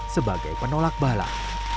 sebagai penolak balah